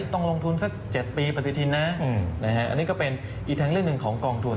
ต้องลงทุนสัก๗ปีปฏิทินนะอันนี้ก็เป็นอีกทั้งเรื่องหนึ่งของกองทุน